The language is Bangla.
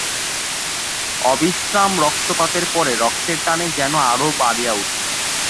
অবিশ্রাম রক্তপাতের পরে রক্তের টান যেন আরও বাড়িয়া উঠিল।